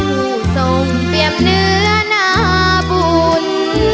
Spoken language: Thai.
ถูกส่งเปรียบเนื้อหน้าบุญ